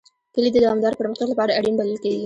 کلي د دوامداره پرمختګ لپاره اړین بلل کېږي.